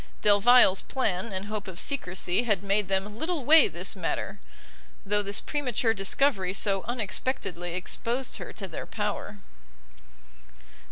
Delvile's plan and hope of secresy had made them little weigh this matter, though this premature discovery so unexpectedly exposed her to their power.